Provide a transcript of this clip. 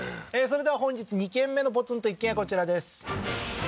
それでは本日２軒目のポツンと一軒家こちらです